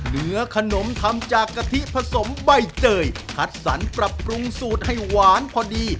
เนื้อขนมทำจากกะทิผสมใบเจยคัดสรรปรับปรุงสูตรให้หวานพอดี